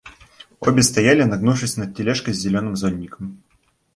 Обе стояли, нагнувшись над тележкой с зеленым зонтиком.